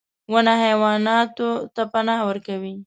• ونه حیواناتو ته پناه ورکوي.